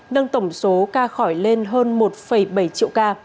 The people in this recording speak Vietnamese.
nâng tổng số ca khỏi lên hơn một bảy triệu ca